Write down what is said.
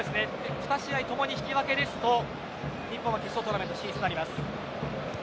２試合共に引き分けですと日本は決勝トーナメント進出となります。